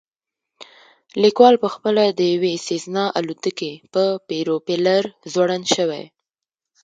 لیکوال پخپله د یوې سیزنا الوتکې په پروپیلر ځوړند شوی